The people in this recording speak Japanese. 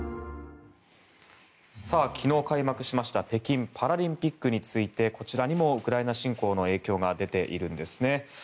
昨日開幕しました北京パラリンピックについてこちらにもウクライナ侵攻の影響が出ているんですね。